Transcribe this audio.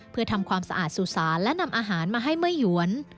เพื่อทำความสะอาดสุสานและนำอาหารมาให้เมื่อหยวน